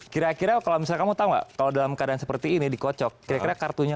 kira kira kalau misalnya kamu tahu nggak kalau dalam keadaan seperti ini dikocok kira kira kartunya